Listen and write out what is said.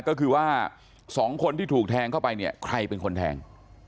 ก็คือว่าสองคนที่ถูกแทงเข้าไปเนี่ยใครเป็นคนแทง